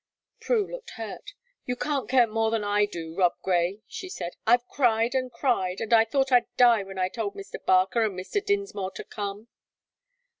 Prue looked hurt. "You can't care more than I do, Rob Grey," she said. "I've cried and cried, and I thought I'd die when I told Mr. Barker and Mr. Dinsmore to come."